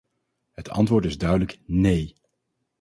Het antwoord is duidelijk nee!